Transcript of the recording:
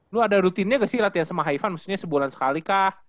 lu ada rutinnya gak sih latihan sama hivan maksudnya sebulan sekali kah